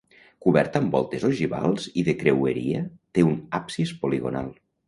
Coberta amb voltes ogivals i de creueria té un absis poligonal.